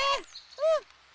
うん！